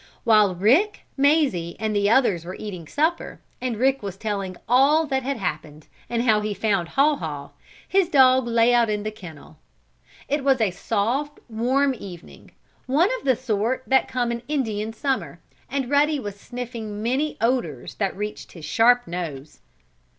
While Rick, Mazie and the others were eating supper, and Rick was telling all that had happened, and how he found Haw Haw, his dog lay out in the kennel. It was a soft, warm evening, one of the sort that come in Indian Summer, and Ruddy was sniffing many odors that reached his sharp nose.